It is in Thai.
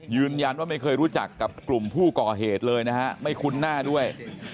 ไม่เคยรู้จักกับกลุ่มผู้ก่อเหตุเลยนะฮะไม่คุ้นหน้าด้วย